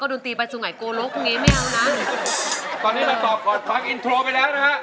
ตอนนี้เราตอบก่อนพักอินโทรไปแล้วนะฮะ